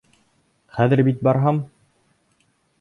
Хәҙер бит барһам!..